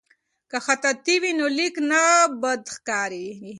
که خطاطي وي نو لیک نه بد ښکاریږي.